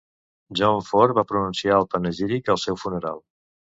John Ford va pronunciar el panegíric al seu funeral.